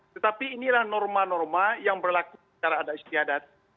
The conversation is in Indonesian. tetapi inilah norma norma yang berlaku secara adat istiadat